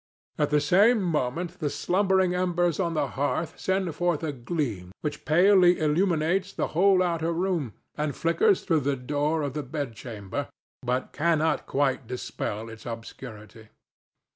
At the same moment the slumbering embers on the hearth send forth a gleam which palely illuminates the whole outer room and flickers through the door of the bedchamber, but cannot quite dispel its obscurity.